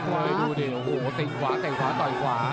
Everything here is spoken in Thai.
ดูดิตื่นขวาแต่งขวาต่อยขวา